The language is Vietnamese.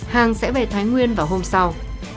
hàng sẽ về thái nguyên vào hôm sau